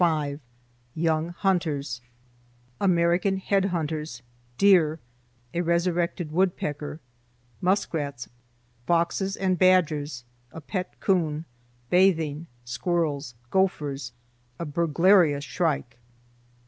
VToC YOUNG HUNTERS American Head hunters—Deer—A Resurrected Woodpecker—Muskrats—Foxes and Badgers—A Pet Coon—Bathing—Squirrels—Gophers—A Burglarious Shrike.